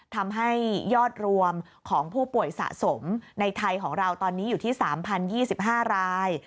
ทำให้ยอดรวมของผู้ป่วยสะสมในไทยของเราตอนนี้อยู่ที่๓๐๒๕ราย